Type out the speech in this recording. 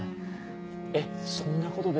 えっそんなことで？